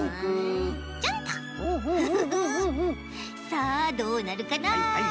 さあどうなるかな。